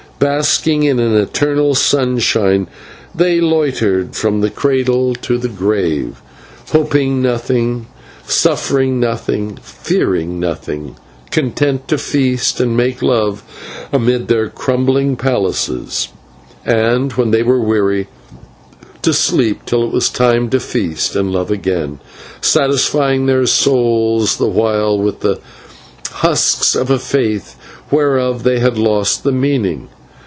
Basking in the eternal sunshine, they loitered from the cradle to the grave, hoping nothing, suffering nothing, fearing nothing, content to feast amid their crumbling palaces, and, when they were weary, to sleep till it was time to feast again, satisfying their souls the while with the husks of a faith whereof they had lost the meaning.